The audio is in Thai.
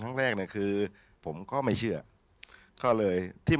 พระพุทธพิบูรณ์ท่านาภิรม